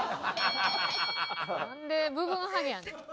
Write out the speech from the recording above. なんで部分ハゲやねん。